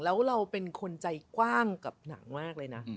แล้วเราเป็นคนใจกว้างกับหนังมากเลยนะ